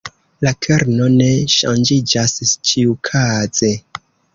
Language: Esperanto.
La kerno ne ŝanĝiĝas ĉiukaze.